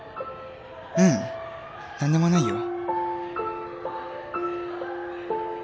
ううん。何でもないよ。